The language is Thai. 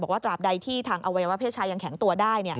ตราบใดที่ทางอวัยวะเพศชายยังแข็งตัวได้